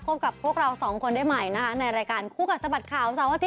พบกับพวกเราสองคนได้ใหม่ในรายการคู่กับสบัดข่าว